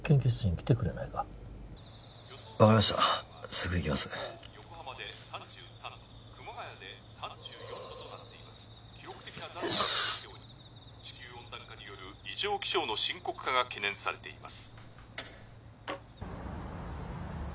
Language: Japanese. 記録的な残暑が続いており地球温暖化による異常気象の深刻化が懸念されています